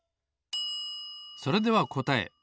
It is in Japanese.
それではこたえ。